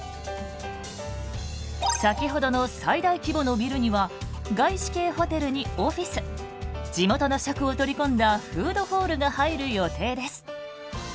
先ほどの最大規模のビルには外資系ホテルにオフィス地元の食を取り込んだフードホールが入る予定です。